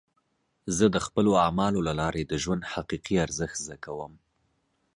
زه د خپلو اعمالو له لارې د ژوند حقیقي ارزښت زده کوم.